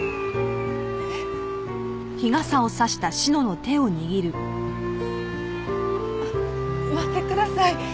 えっ！？あっ待ってください。